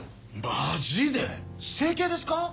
マジで⁉整形ですか？